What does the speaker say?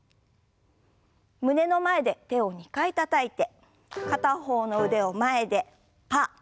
胸の前で手を２回たたいて片方の腕を前でパー。